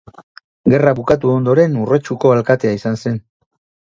Gerra bukatu ondoren Urretxuko alkatea izan zen.